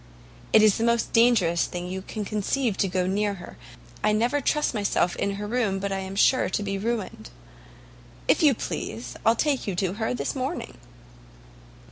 It is the most dangerous thing you can conceive to go near her; I never trust myself in her room but I am sure to be ruined. If you please, I'll take you to her this morning."